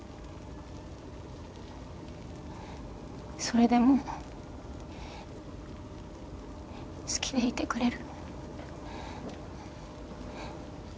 それでも好きでいてくれる？